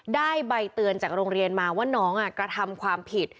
ได้ใบเตือนจากโรงเรียนมาว่าน้องกระทำความผิด